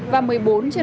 và bệnh nhân di chuyển